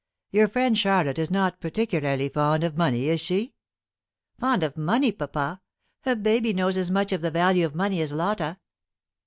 Your friend Charlotte is not particularly fond of money, is she?" "Fond of money, papa? A baby knows as much of the value of money as Lotta.